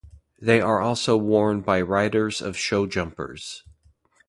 They are also worn by riders of show jumpers.